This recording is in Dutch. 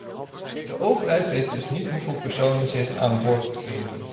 De overheid weet dus niet hoeveel personen zich aan boord bevinden.